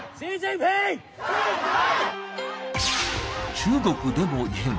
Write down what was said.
中国でも異変。